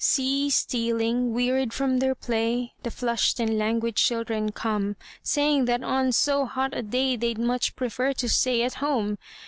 See stealing, wearied from their play, The flushed and languid children come, Saying that on so hot a day They'd much prefer to stay at home.